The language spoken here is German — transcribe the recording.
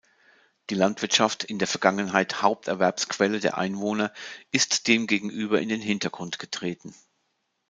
Die Landwirtschaft, in der Vergangenheit Haupterwerbsquelle der Einwohner, ist demgegenüber in den Hintergrund getreten.